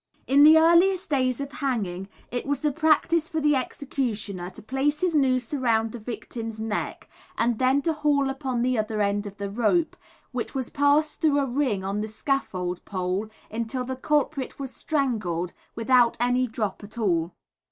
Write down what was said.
In the earliest days of hanging it was the practice for the executioner to place his noose round the victim's neck, and then to haul upon the other end of the rope, which was passed through a ring on the scaffold pole until the culprit was strangled, without any drop at all.